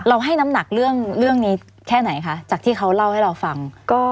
ให้น้ำหนักเรื่องนี้แค่ไหนคะจากที่เขาเล่าให้เราฟัง